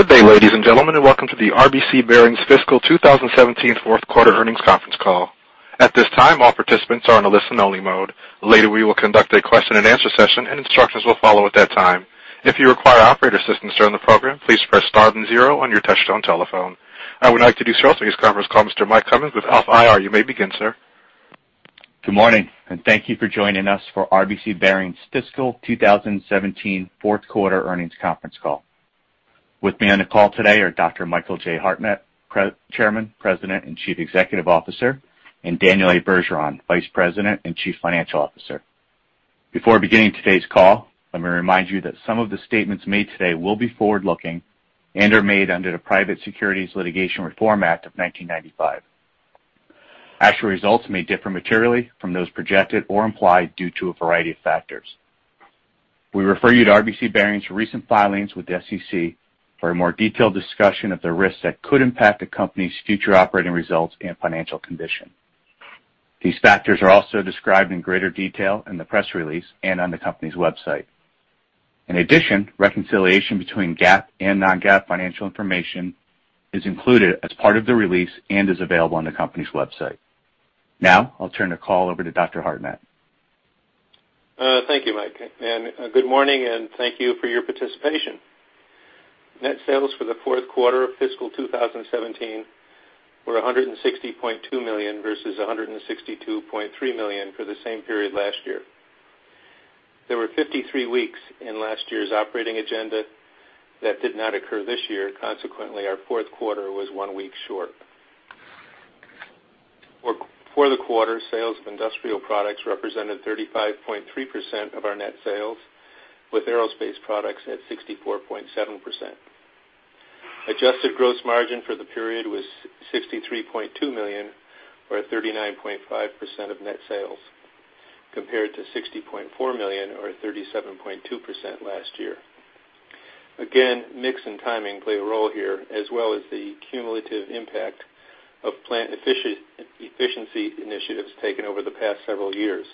Good day, ladies and gentlemen, and welcome to the RBC Bearings Fiscal 2017 Fourth Quarter Earnings Conference Call. At this time, all participants are in a listen-only mode. Later, we will conduct a question-and-answer session, and instructions will follow at that time. If you require operator assistance during the program, please press star then zero on your touchtone telephone. I would like to do so for this conference call. Mr. Mike Cummins with Alpha IR Group. You may begin, sir. Good morning, and thank you for joining us for RBC Bearings' Fiscal 2017 Fourth Quarter Earnings Conference Call. With me on the call today are Dr. Michael J. Hartnett, Chairman, President, and Chief Executive Officer, and Daniel A. Bergeron, Vice President and Chief Financial Officer. Before beginning today's call, let me remind you that some of the statements made today will be forward-looking and are made under the Private Securities Litigation Reform Act of 1995. Actual results may differ materially from those projected or implied due to a variety of factors. We refer you to RBC Bearings' recent filings with the SEC for a more detailed discussion of the risks that could impact the company's future operating results and financial condition. These factors are also described in greater detail in the press release and on the company's website. In addition, reconciliation between GAAP and non-GAAP financial information is included as part of the release and is available on the company's website. Now, I'll turn the call over to Dr. Hartnett. Thank you, Mike, and good morning, and thank you for your participation. Net sales for the fourth quarter of fiscal 2017 were $160.2 million versus $162.3 million for the same period last year. There were 53 weeks in last year's operating calendar that did not occur this year. Consequently, our fourth quarter was 1 week short. For the quarter, sales of industrial products represented 35.3% of our net sales, with aerospace products at 64.7%. Adjusted gross margin for the period was $63.2 million, or 39.5% of net sales, compared to $60.4 million, or 37.2% last year. Again, mix and timing play a role here, as well as the cumulative impact of plant efficiency initiatives taken over the past several years.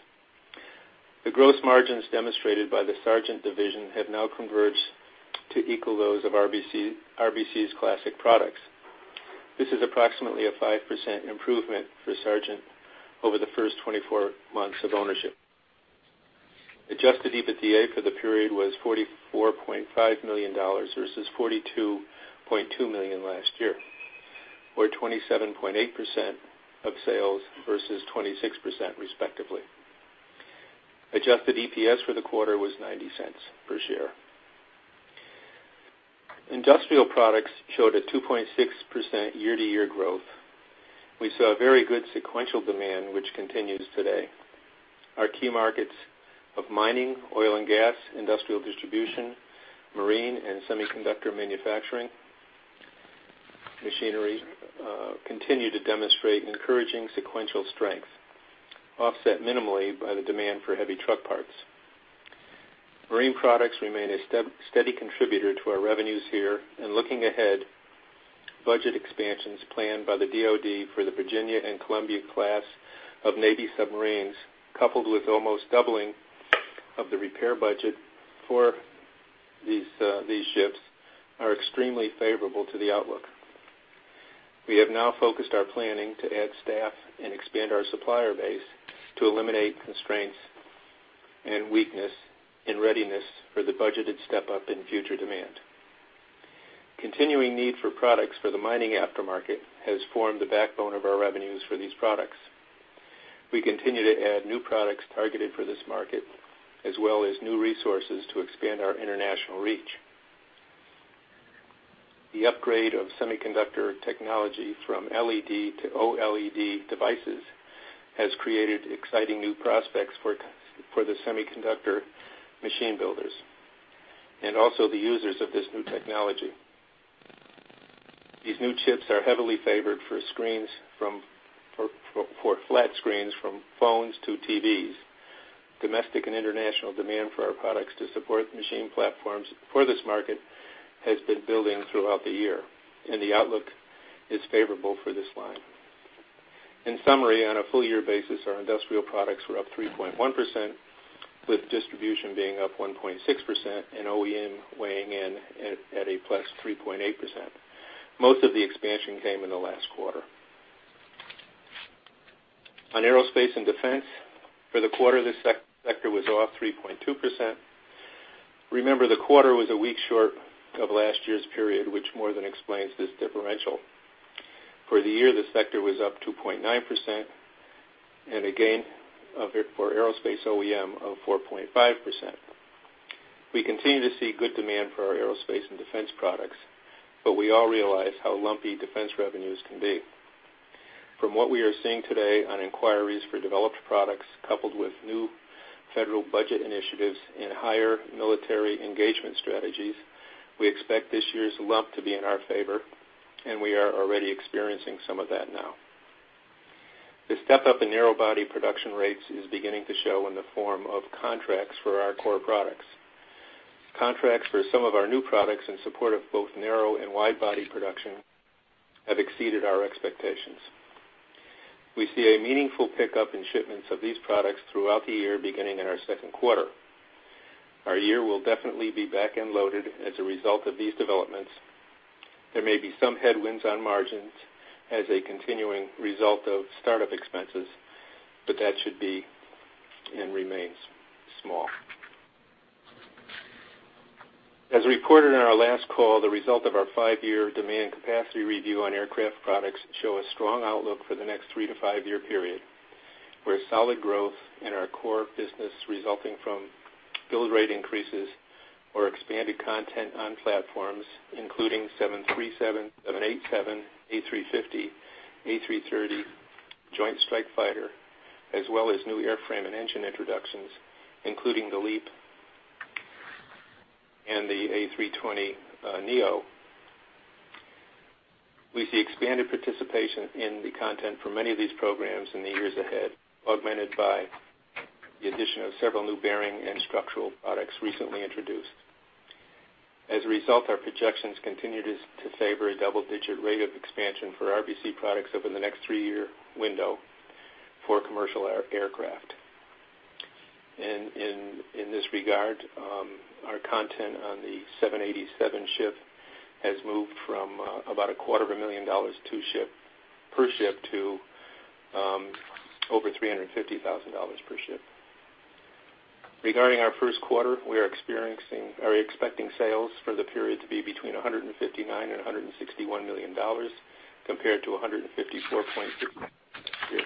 The gross margins demonstrated by the Sargent division have now converged to equal those of RBC, RBC's classic products. This is approximately a 5% improvement for Sargent over the first 24 months of ownership. Adjusted EBITDA for the period was $44.5 million, versus $42.2 million last year, or 27.8% of sales versus 26%, respectively. Adjusted EPS for the quarter was $0.90 per share. Industrial products showed a 2.6% year-to-year growth. We saw very good sequential demand, which continues today. Our key markets of mining, oil and gas, industrial distribution, marine, and semiconductor manufacturing machinery, continue to demonstrate encouraging sequential strength, offset minimally by the demand for heavy truck parts. Marine products remain a steady contributor to our revenues here, and looking ahead, budget expansions planned by the DOD for the Virginia and Columbia class of Navy submarines, coupled with almost doubling of the repair budget for these, these ships, are extremely favorable to the outlook. We have now focused our planning to add staff and expand our supplier base to eliminate constraints and weakness in readiness for the budgeted step-up in future demand. Continuing need for products for the mining aftermarket has formed the backbone of our revenues for these products. We continue to add new products targeted for this market, as well as new resources to expand our international reach. The upgrade of semiconductor technology from LED to OLED devices has created exciting new prospects for the semiconductor machine builders and also the users of this new technology. These new chips are heavily favored for screens from flat screens, from phones to TVs. Domestic and international demand for our products to support machine platforms for this market has been building throughout the year, and the outlook is favorable for this line. In summary, on a full year basis, our industrial products were up 3.1%, with distribution being up 1.6% and OEM weighing in at a +3.8%. Most of the expansion came in the last quarter. On aerospace and defense, for the quarter, this sector was off 3.2%. Remember, the quarter was a week short of last year's period, which more than explains this differential. For the year, the sector was up 2.9%, and a gain of it for aerospace OEM of 4.5%. We continue to see good demand for our aerospace and defense products, but we all realize how lumpy defense revenues can be. From what we are seeing today on inquiries for developed products, coupled with new federal budget initiatives and higher military engagement strategies, we expect this year's lump to be in our favor, and we are already experiencing some of that now. The step-up in narrow body production rates is beginning to show in the form of contracts for our core products. Contracts for some of our new products, in support of both narrow and wide body production, have exceeded our expectations.... We see a meaningful pickup in shipments of these products throughout the year, beginning in our second quarter. Our year will definitely be back-end loaded as a result of these developments. There may be some headwinds on margins as a continuing result of startup expenses, but that should be and remains small. As reported on our last call, the result of our 5-year demand capacity review on aircraft products show a strong outlook for the next 3-to-5-year period, where solid growth in our core business resulting from build rate increases or expanded content on platforms, including 737, 787, A350, A330, Joint Strike Fighter, as well as new airframe and engine introductions, including the LEAP and the A320neo. We see expanded participation in the content for many of these programs in the years ahead, augmented by the addition of several new bearing and structural products recently introduced. As a result, our projections continue to favor a double-digit rate of expansion for RBC products over the next 3-year window for commercial aircraft. In this regard, our content on the 787 ship has moved from about $250,000 per ship to over $350,000 per ship. Regarding our first quarter, we are expecting sales for the period to be between $159 million and $161 million, compared to $154.3 million last year.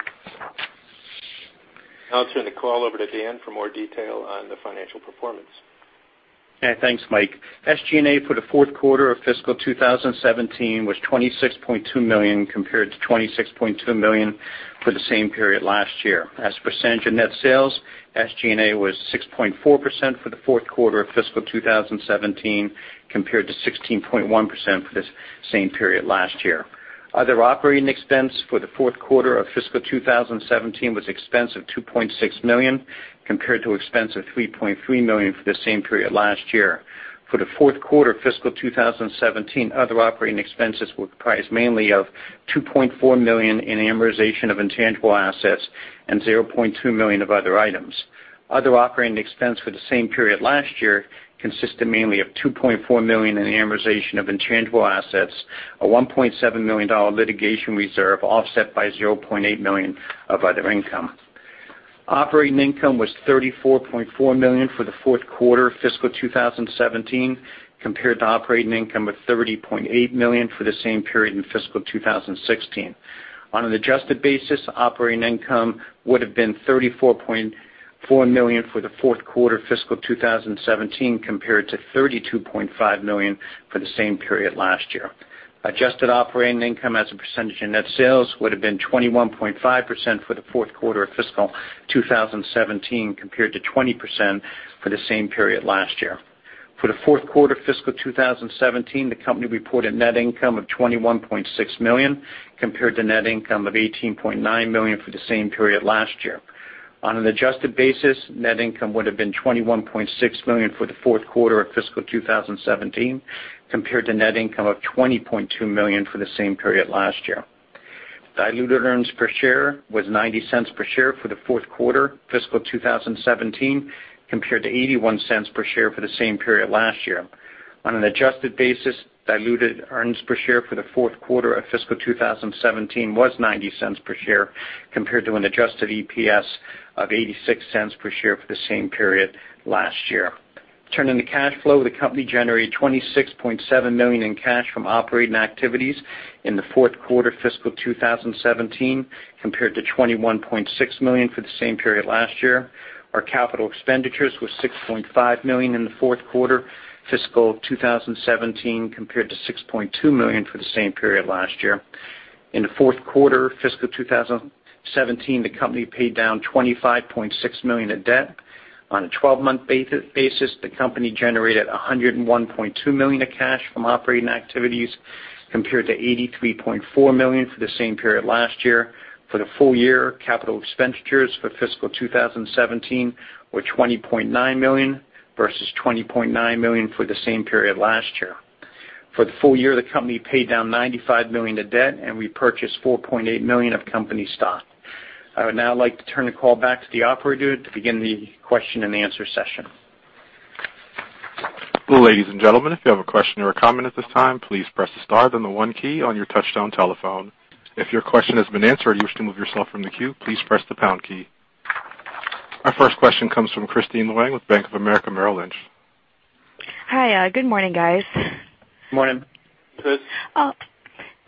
I'll turn the call over to Dan for more detail on the financial performance. Yeah, thanks, Mike. SG&A for the fourth quarter of fiscal 2017 was $26.2 million, compared to $26.2 million for the same period last year. As a percentage of net sales, SG&A was 6.4% for the fourth quarter of fiscal 2017, compared to 16.1% for this same period last year. Other operating expense for the fourth quarter of fiscal 2017 was expense of $2.6 million, compared to expense of $3.3 million for the same period last year. For the fourth quarter of fiscal 2017, other operating expenses were comprised mainly of $2.4 million in amortization of intangible assets and $0.2 million of other items. Other operating expense for the same period last year consisted mainly of $2.4 million in amortization of intangible assets, a $1.7 million dollar litigation reserve, offset by $0.8 million of other income. Operating income was $34.4 million for the fourth quarter of fiscal 2017, compared to operating income of $30.8 million for the same period in fiscal 2016. On an adjusted basis, operating income would have been $34.4 million for the fourth quarter fiscal 2017, compared to $32.5 million for the same period last year. Adjusted operating income as a percentage of net sales would have been 21.5% for the fourth quarter of fiscal 2017, compared to 20% for the same period last year. For the fourth quarter of fiscal 2017, the company reported net income of $21.6 million, compared to net income of $18.9 million for the same period last year. On an adjusted basis, net income would have been $21.6 million for the fourth quarter of fiscal 2017, compared to net income of $20.2 million for the same period last year. Diluted earnings per share was $0.90 per share for the fourth quarter, fiscal 2017, compared to $0.81 per share for the same period last year. On an adjusted basis, diluted earnings per share for the fourth quarter of fiscal 2017 was $0.90 per share, compared to an adjusted EPS of $0.86 per share for the same period last year. Turning to cash flow, the company generated $26.7 million in cash from operating activities in the fourth quarter of fiscal 2017, compared to $21.6 million for the same period last year. Our capital expenditures were $6.5 million in the fourth quarter, fiscal 2017, compared to $6.2 million for the same period last year. In the fourth quarter of fiscal 2017, the company paid down $25.6 million in debt. On a twelve-month basis, the company generated $101.2 million of cash from operating activities, compared to $83.4 million for the same period last year. For the full year, capital expenditures for fiscal 2017 were $20.9 million, versus $20.9 million for the same period last year. For the full year, the company paid down $95 million to debt, and we purchased $4.8 million of company stock. I would now like to turn the call back to the operator to begin the question-and-answer session. Ladies and gentlemen, if you have a question or a comment at this time, please press the star then the one key on your touch-tone telephone. If your question has been answered, or you wish to remove yourself from the queue, please press the pound key. Our first question comes from Kristine Liwag with Bank of America Merrill Lynch. Hi, good morning, guys. Morning. Please.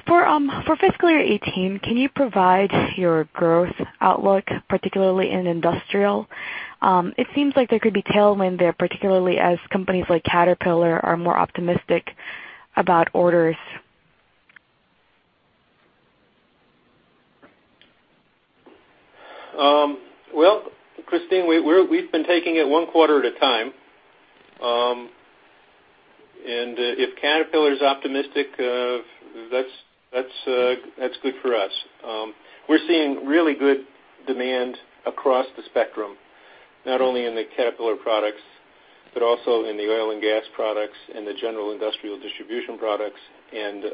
For fiscal year 2018, can you provide your growth outlook, particularly in industrial? It seems like there could be tailwind there, particularly as companies like Caterpillar are more optimistic about orders. Well, Kristine, we've been taking it one quarter at a time. If Caterpillar is optimistic, that's good for us. We're seeing really good demand across the spectrum, not only in the Caterpillar products, but also in the oil and gas products and the general industrial distribution products, and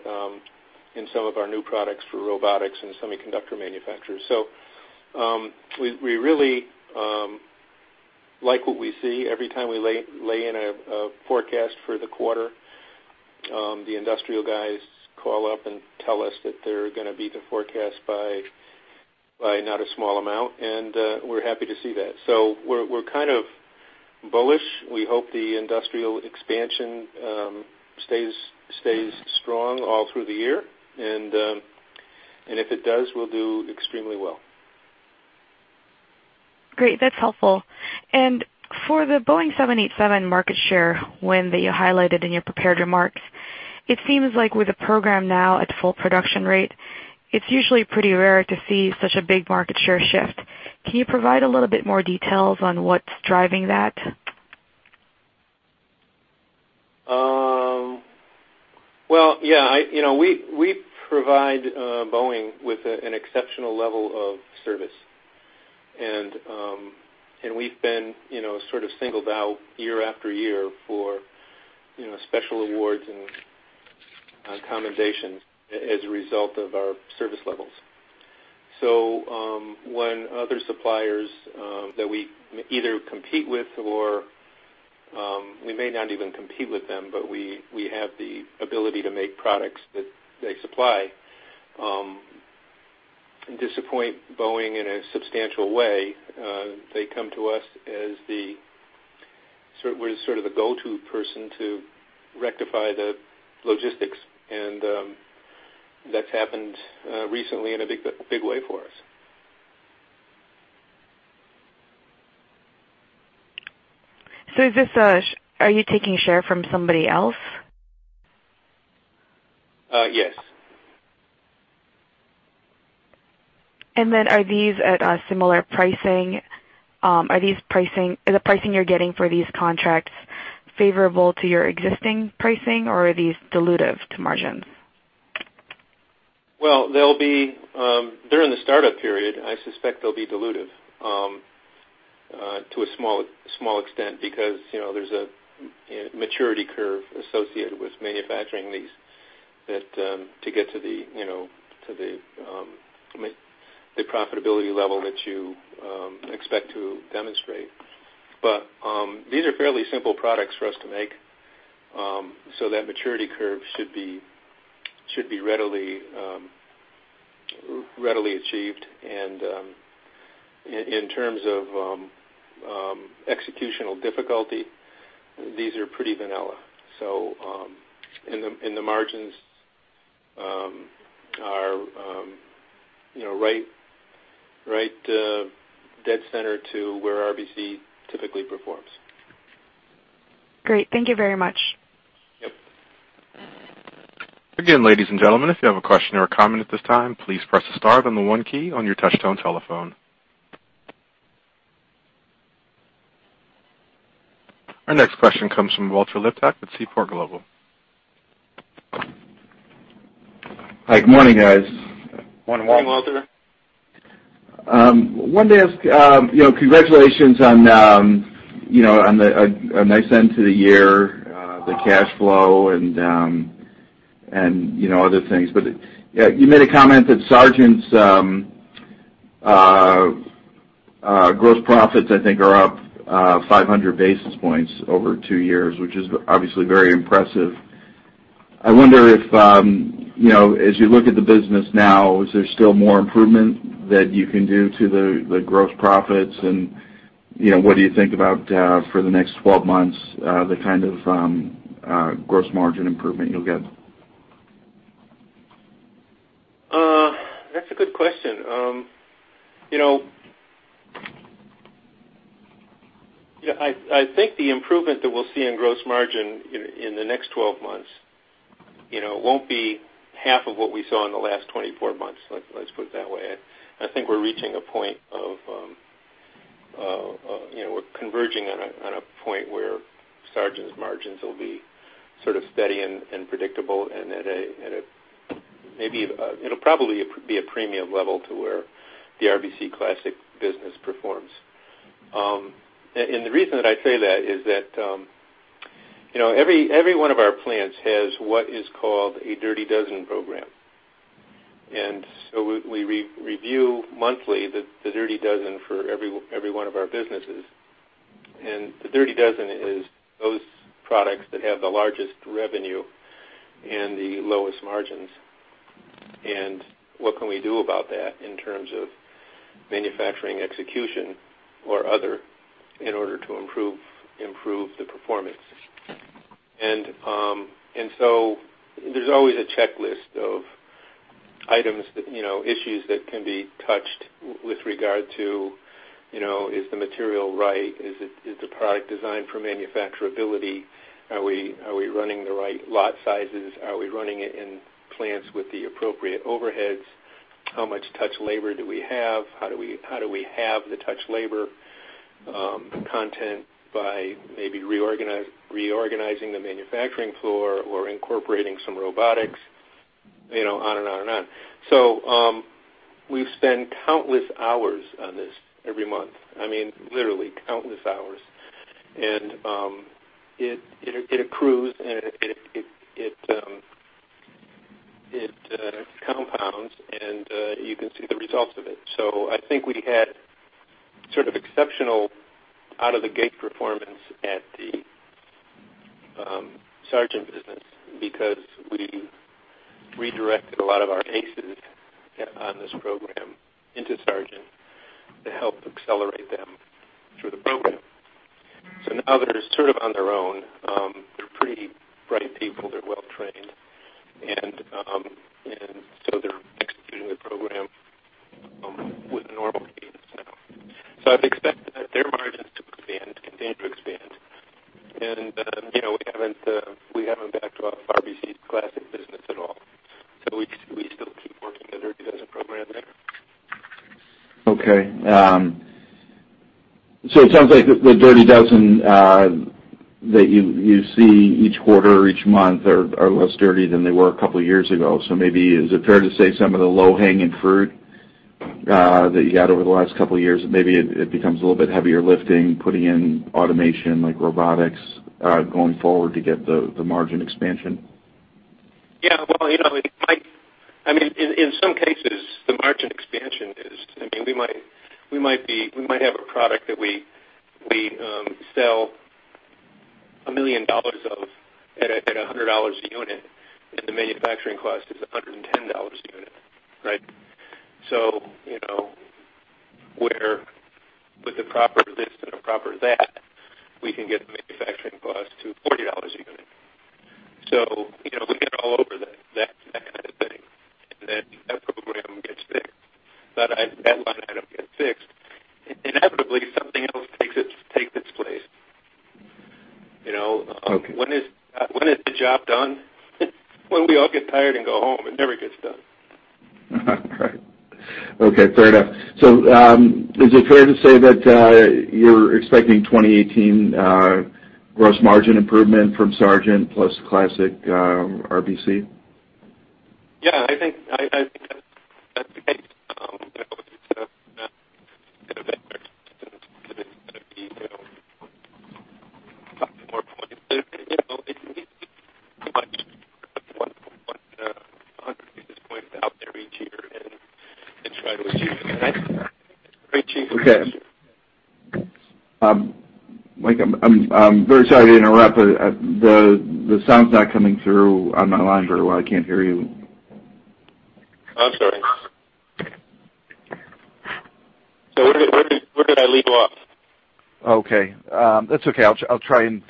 in some of our new products for robotics and semiconductor manufacturers. So, we really like what we see. Every time we lay in a forecast for the quarter, the industrial guys call up and tell us that they're gonna beat the forecast by not a small amount, and we're happy to see that. So we're kind of bullish. We hope the industrial expansion stays strong all through the year, and if it does, we'll do extremely well. Great. That's helpful. And for the Boeing 787 market share win that you highlighted in your prepared remarks, it seems like with the program now at full production rate, it's usually pretty rare to see such a big market share shift. Can you provide a little bit more details on what's driving that? Well, yeah, I, you know, we provide Boeing with an exceptional level of service. And we've been, you know, sort of singled out year after year for, you know, special awards and commendations as a result of our service levels. So, when other suppliers that we either compete with or we may not even compete with them, but we have the ability to make products that they supply disappoint Boeing in a substantial way, they come to us as the sort... We're sort of the go-to person to rectify the logistics, and that's happened recently in a big, big way for us. So is this, are you taking share from somebody else? Uh, yes. And then are these at a similar pricing? Is the pricing you're getting for these contracts favorable to your existing pricing, or are these dilutive to margins? Well, they'll be during the startup period. I suspect they'll be dilutive to a small extent, because, you know, there's a maturity curve associated with manufacturing these that to get to the, you know, to the profitability level that you expect to demonstrate. But these are fairly simple products for us to make, so that maturity curve should be readily achieved. And in terms of executional difficulty, these are pretty vanilla. So, the margins are, you know, right dead center to where RBC typically performs. Great. Thank you very much. Yep. Again, ladies and gentlemen, if you have a question or a comment at this time, please press the star then the one key on your touchtone telephone. Our next question comes from Walter Liptak with Seaport Global. Hi, good morning, guys. Morning, Walter. Good morning, Walter. Wanted to ask, you know, congratulations on, you know, on a nice end to the year, the cash flow and, and, you know, other things. But, yeah, you made a comment that Sargent's gross profits, I think, are up 500 basis points over two years, which is obviously very impressive. I wonder if, you know, as you look at the business now, is there still more improvement that you can do to the gross profits? And, you know, what do you think about, for the next 12 months, the kind of gross margin improvement you'll get? That's a good question. You know, yeah, I think the improvement that we'll see in gross margin in the next 12 months, you know, won't be half of what we saw in the last 24 months, let's put it that way. I think we're reaching a point of, you know, we're converging on a point where Sargent's margins will be sort of steady and predictable, and at a maybe it'll probably be a premium level to where the RBC Classic business performs. And the reason that I say that is that, you know, every one of our plants has what is called a Dirty Dozen program. And so we review monthly the Dirty Dozen for every one of our businesses. The Dirty Dozen is those products that have the largest revenue and the lowest margins, and what can we do about that in terms of manufacturing, execution, or other, in order to improve the performance? And so there's always a checklist of items that, you know, issues that can be touched with regard to, you know, is the material right? Is the product designed for manufacturability? Are we running the right lot sizes? Are we running it in plants with the appropriate overheads? How much touch labor do we have? How do we halve the touch labor content by maybe reorganizing the manufacturing floor or incorporating some robotics? You know, on and on and on. So we've spent countless hours on this every month. I mean, literally countless hours. And it accrues, and it compounds, and you can see the results of it. So I think we had sort of exceptional out-of-the-gate performance at the Sargent business because we redirected a lot of our aces on this program into Sargent to help accelerate them through the program. So now they're sort of on their own. They're pretty bright people. They're well trained. And so they're executing the program with normal cadence now. So I'd expect that their margins to expand, continue to expand. And you know, we haven't backed off RBC's classic business at all, so we still keep working the Dirty Dozen program there. Okay. So it sounds like the Dirty Dozen that you see each quarter or each month are less dirty than they were a couple years ago. So maybe, is it fair to say some of the low-hanging fruit that you had over the last couple of years, maybe it becomes a little bit heavier lifting, putting in automation, like robotics, going forward to get the margin expansion? Yeah, well, you know, it might... I mean, in some cases, the margin expansion is, I mean, we might, we might be-- we might have a product that we, we sell $1 million of at $100 a unit, and the manufacturing cost is $110 a unit, right? So, you know, where with the proper this and the proper that, we can get the manufacturing cost to $40 a unit. So, you know, we get all over that, that, that kind of thing. And then that program gets fixed, that line item gets fixed. Inevitably, something else takes its place. You know? Okay. When is, when is the job done? When we all get tired and go home. It never gets done. Right. Okay, fair enough. So, is it fair to say that you're expecting 2018 gross margin improvement from Sargent plus classic RBC? Yeah, I think that's the case. You know, it's gonna be, you know, probably more points. You know, it's much like 100 basis points out there each year, and it's right with you. Right, Chief? Okay. Mike, I'm very sorry to interrupt, but the sound's not coming through on my line very well. I can't hear you. I'm sorry. So where did I leave off? Okay. That's okay. I'll try and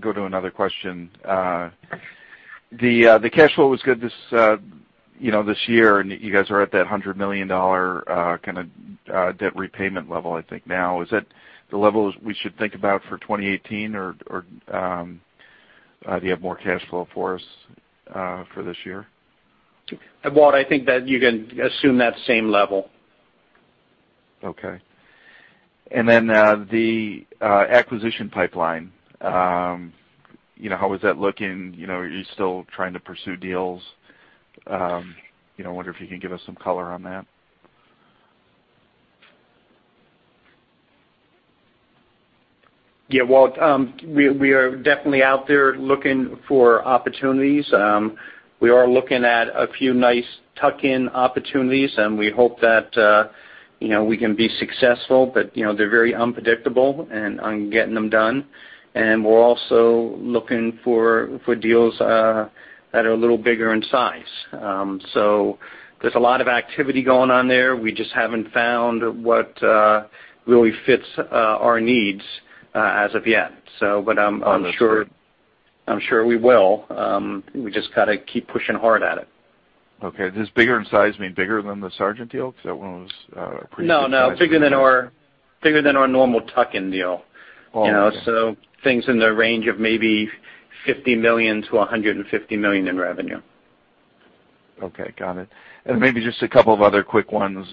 go to another question. The cash flow was good this, you know, this year, and you guys are at that $100 million kind of debt repayment level, I think now. Is that the level we should think about for 2018, or do you have more cash flow for us for this year? Well, I think that you can assume that same level. Okay. And then, the acquisition pipeline, you know, how is that looking? You know, are you still trying to pursue deals? You know, I wonder if you can give us some color on that. Yeah, well, we are definitely out there looking for opportunities. We are looking at a few nice tuck-in opportunities, and we hope that, you know, we can be successful. But, you know, they're very unpredictable and on getting them done. And we're also looking for deals that are a little bigger in size. So there's a lot of activity going on there. We just haven't found what really fits our needs as of yet. So, but I'm sure we will. We just gotta keep pushing hard at it. Okay. Does bigger in size mean bigger than the Sargent deal? Because that one was, pretty- No, no, bigger than our, bigger than our normal tuck-in deal. Oh, okay. You know, so things in the range of maybe $50 million-$150 million in revenue. Okay, got it. And maybe just a couple of other quick ones.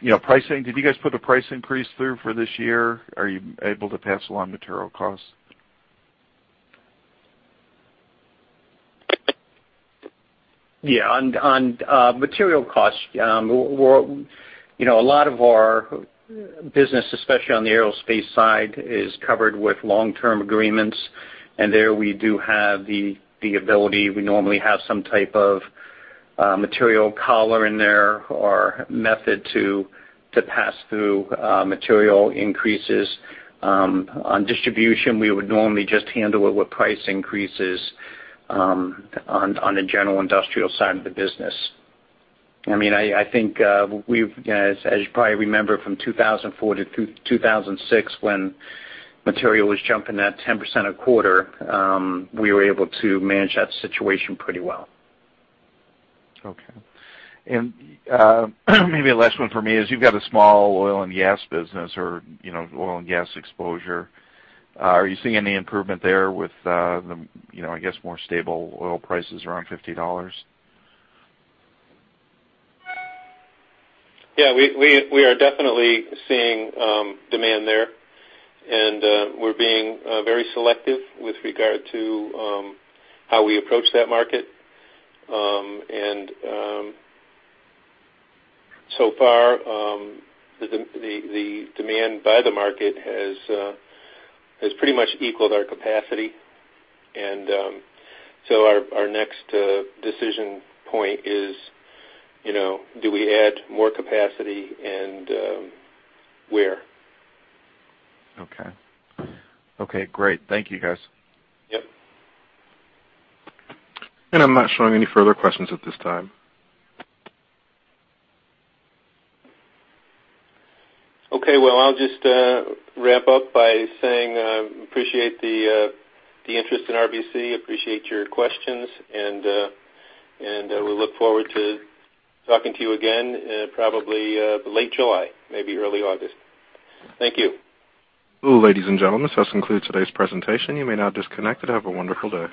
You know, pricing, did you guys put a price increase through for this year? Are you able to pass along material costs? Yeah, on, on, material costs, we're, you know, a lot of our business, especially on the aerospace side, is covered with long-term agreements, and there we do have the, the ability. We normally have some type of, material collar in there or method to, to pass through, material increases. On distribution, we would normally just handle it with price increases, on, on the general industrial side of the business. I mean, I, I think, we've... As, as you probably remember from 2004 to 2006, when material was jumping at 10% a quarter, we were able to manage that situation pretty well. Okay. And, maybe a last one for me is: You've got a small oil and gas business, or, you know, oil and gas exposure. Are you seeing any improvement there with the, you know, I guess, more stable oil prices around $50? Yeah, we are definitely seeing demand there, and we're being very selective with regard to how we approach that market. And so far, the demand by the market has pretty much equaled our capacity, and so our next decision point is, you know, do we add more capacity and where? Okay. Okay, great. Thank you, guys. Yep. I'm not showing any further questions at this time. Okay, well, I'll just wrap up by saying, appreciate the interest in RBC, appreciate your questions, and we look forward to talking to you again, probably late July, maybe early August. Thank you. Ladies and gentlemen, this concludes today's presentation. You may now disconnect, and have a wonderful day.